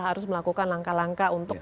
harus melakukan langkah langkah untuk